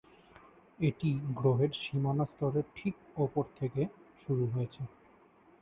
এটি গ্রহের সীমানা স্তরের ঠিক উপর থেকে শুরু হয়েছে।